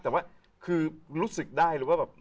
แต่ว่าคือรู้สึกได้เลยว่าแบบ